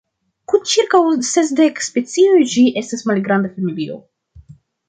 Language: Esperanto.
Kun ĉirkaŭ sesdek specioj ĝi estas malgranda familio.